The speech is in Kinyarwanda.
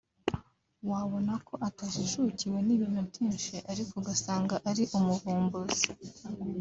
wabona ko atajijukiwe n’ibintu byinshi ariko ugasanga ari umuvumbuzi